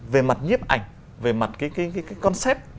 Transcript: về mặt nhiếp ảnh về mặt cái concept